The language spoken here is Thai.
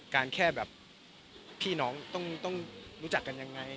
แค่แบบพี่น้องต้องรู้จักกันยังไง